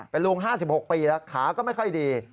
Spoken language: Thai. เป็นลุง๕๖ปีแล้วขาก็ไม่ค่อยดี